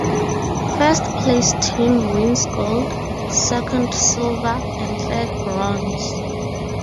First place team wins gold, second silver and third bronze.